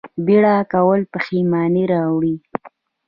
بیړه کول پښیماني راوړي